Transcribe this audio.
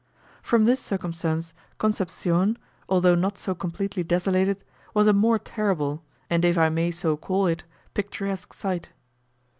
From this circumstance Concepcion, although not so completely desolated, was a more terrible, and if I may so call it, picturesque sight.